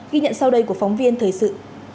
ghi nhận sau đây của phóng viên thời sự